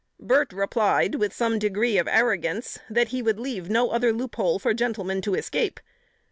Burt replied, with some degree of arrogance, that he would "leave no other loop hole for gentlemen to escape."